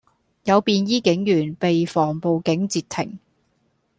有便衣警員被防暴警截停